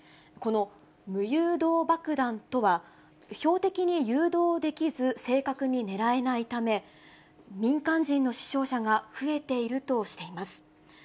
この無誘導爆弾とは、標的に誘導できず正確に狙えないため、民間人の死傷者が増えているとしています。